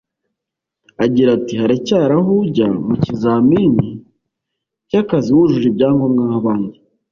Agira ati “Haracyari aho ujya mu kizamini cy’akazi wujuje ibyangombwa nk’abandi